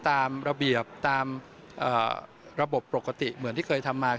ตามระเบียบตามระบบปกติเหมือนที่เคยทำมา